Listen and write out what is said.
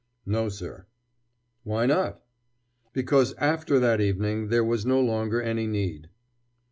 "No, sir." "Why not?" "Because after that evening there was no longer any need!"